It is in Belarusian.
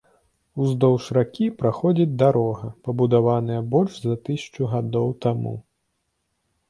Уздоўж ракі праходзіць дарога, пабудаваная больш за тысячу гадоў таму.